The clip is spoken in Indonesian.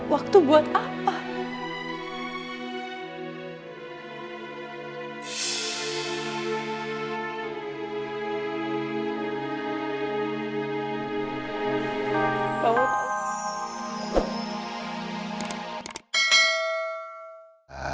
waktu buat apa